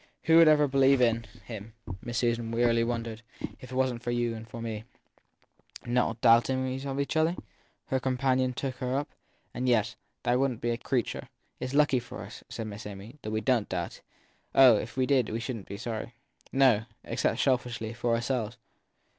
Who would ever believe in him ? Miss Susan wearily wondered. If it wasn t for you and for me Not doubting of each other ? her companion took her up : yes, there wouldn t be a creature. It s lucky for us, said Miss Amy, that we don t doubt. Oh, if we did we shouldn t be sorry. No except, selfishly, for ourselves.